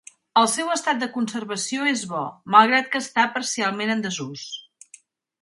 El seu estat de conservació és bo, malgrat que està parcialment en desús.